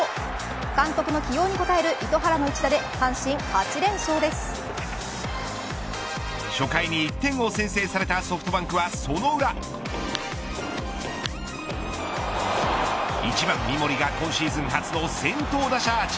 監督の起用に応える糸原の一打で初回に１点を先制されたソフトバンクはその裏１番、三森が今シーズン初の先頭打者アーチ。